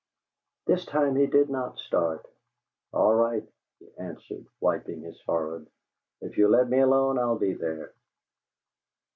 This time he did not start. "All right," he answered, wiping his forehead; "if you'll let me alone, I'll be there."